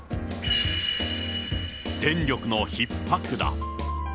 電力のひっ迫だ。